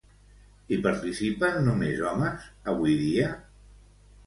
Hi participen només homes avui dia?